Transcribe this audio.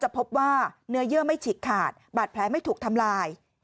พบว่าเนื้อเยื่อไม่ฉีกขาดบาดแผลไม่ถูกทำลาย